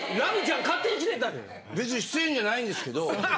別に出演じゃないんですけど。